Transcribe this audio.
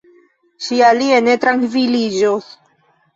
Ŝi alie ne trankviliĝos.